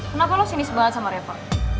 kenapa lu sinis banget sama reva